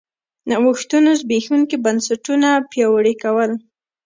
نوښتونو زبېښونکي بنسټونه پیاوړي کول